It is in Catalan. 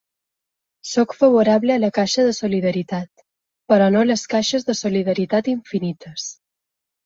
Sóc favorable a la caixa de solidaritat, però no les caixes de solidaritat infinites.